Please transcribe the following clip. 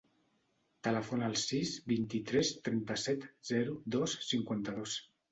Telefona al sis, vint-i-tres, trenta-set, zero, dos, cinquanta-dos.